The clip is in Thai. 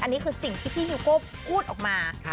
อันนี้คือสิ่งที่พี่ฮิวโก้พูดออกมา